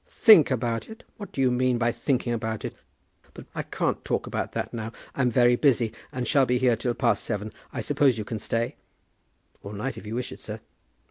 "Think about it! What do you mean by thinking about it? But I can't talk about that now. I'm very busy, and shall be here till past seven. I suppose you can stay?" "All night, if you wish it, sir."